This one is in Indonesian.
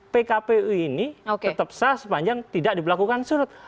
pkpu ini tetap sah sepanjang tidak diberlakukan surut